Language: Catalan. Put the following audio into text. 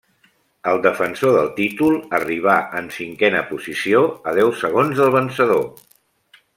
El defensor del títol arribà en cinquena posició, a deu segons del vencedor.